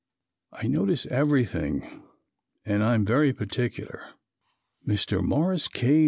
I notice everything and am very particular. Mr. Morris K.